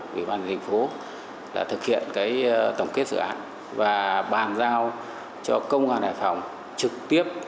ủy ban thành phố đã thực hiện tổng kết dự án và bàn giao cho công an hải phòng trực tiếp